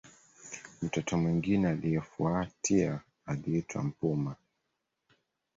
Mtoto mwingine aliyefuatia aliitwa Mpuma